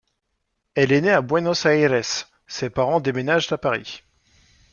Elle est née à Buenos Aires, ses parents déménagent à Paris.